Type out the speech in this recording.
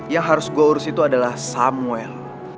yang harus gue urus itu adalah samuel